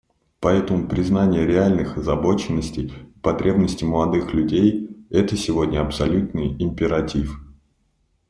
Поэтому признание реальных озабоченностей и потребностей молодых людей — это сегодня абсолютный императив.